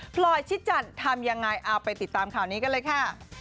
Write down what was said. พลอยชิดจันทร์ทำยังไงเอาไปติดตามข่าวนี้กันเลยค่ะ